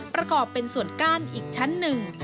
ประกอบเป็นส่วนก้านอีกชั้นหนึ่ง